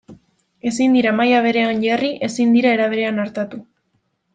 Ezin dira maila berean jarri, ezin dira era berean artatu.